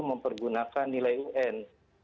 mempergunakan nilai un